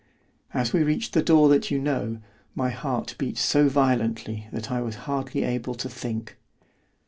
As we reached the door that you know, my heart beat so violently that I was hardly able to think.